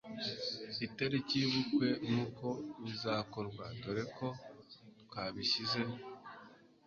itariki yubukwe nuko bizakorwa dore ko twabishyize